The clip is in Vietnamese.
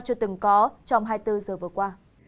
chưa từng có trong hai mươi bốn giờ vừa qua